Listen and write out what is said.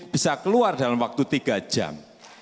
bisa keluar dalam waktu tiga jam